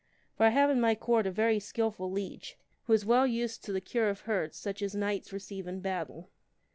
For Thave in my Court a very skilful leech, who is well used to the cure of hurts such as knights receive in battle."